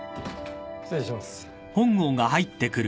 失礼します。